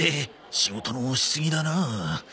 仕事のしすぎだな。